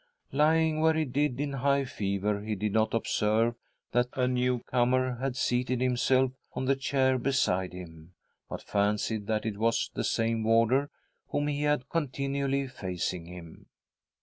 Lying where he did in high fever, he did not observe that a new comer had seated himself on the chair beside him, but fancied that it was the same warder whom he had continually facing him.